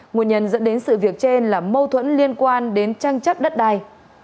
nguồn nhân dẫn đến sự việc trên là mâu thuẫn liên quan đến trang chất đất đai